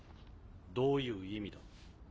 どういう意味だ？